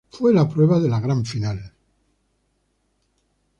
Fue la prueba de la Gran Final.